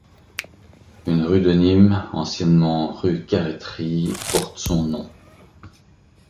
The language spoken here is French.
Une rue de Nîmes, anciennement rue Carreterie, porte son nom.